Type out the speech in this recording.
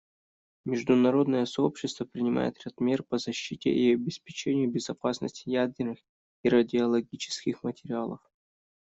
Международное сообщество принимает ряд мер по защите и обеспечению безопасности ядерных и радиологических материалов.